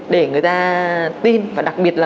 để người ta tin và đặc biệt là